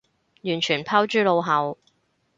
完全拋諸腦後